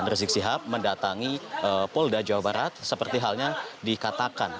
rizik shihab berkata